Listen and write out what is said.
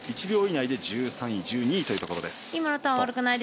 １秒以内で１３位、１２位というところ。